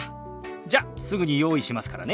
じゃすぐに用意しますからね。